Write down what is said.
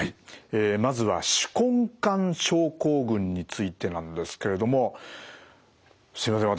えまずは手根管症候群についてなんですけれどもすいません。